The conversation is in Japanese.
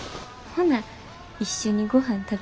ほな一緒にごはん食べよ。